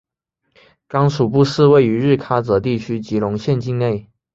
刚楚布寺位于日喀则地区吉隆县境内。